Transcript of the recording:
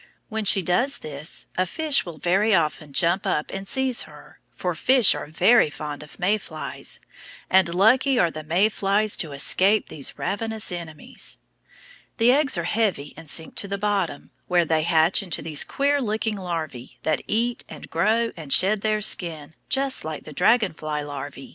When she does this a fish will very often jump up and seize her, for fish are very fond of May flies, and lucky are the May flies to escape these ravenous enemies. The eggs are heavy and sink to the bottom, where they hatch into these queer looking larvæ that eat and grow and shed their skin just like the dragon fly larvæ.